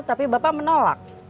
tapi bapak menolak